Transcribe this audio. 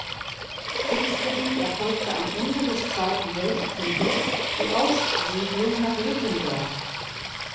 Kriegsbedingt erfolgte am Ende des Zweiten Weltkrieges die Aussiedlung nach Lückendorf.